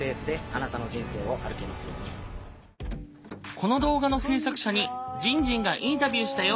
この動画の制作者にじんじんがインタビューしたよ！